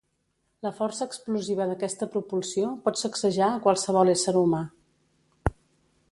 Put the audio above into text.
La força explosiva d'aquesta propulsió pot sacsejar a qualsevol ésser humà.